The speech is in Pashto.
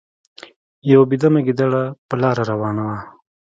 یو بې دمه ګیدړه په لاره روانه وه.